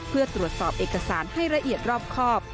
เพื่อตรวจสอบเอกสารให้ละเอียดรอบครอบ